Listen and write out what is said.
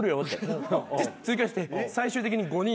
で追加して最終的に５人になった。